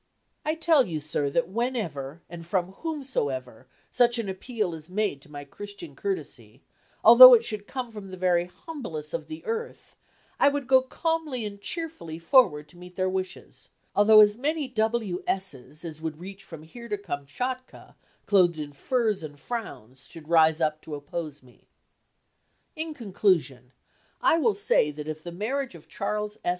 I tell you, sir, that whenever, and from whomsoever, such an appeal is made to my Christian courtesy, although it should come from the very humblest of the earth, I would go calmly and cheerfully forward to meet their wishes, although as many W S's as would reach from here to Kamtschatka, clothed in furs and frowns, should rise up to oppose me. In conclusion, I will say that if the marriage of Charles S.